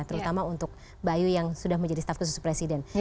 terutama untuk mbak ayu yang sudah menjadi staff ke enam presiden